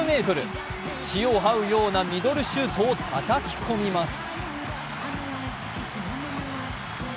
地をはうようなミドルシュートをたたき込みます。